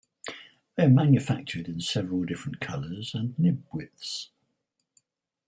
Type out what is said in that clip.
They are manufactured in several different colors and nib widths.